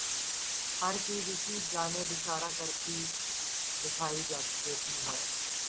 ہر چیز اسی جانب اشارہ کرتی دکھائی دیتی ہے۔